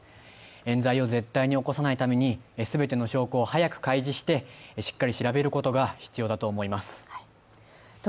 えん罪を絶対に起こさないために全ての証拠を早く開示して、しっかり調べることが必要だと思います。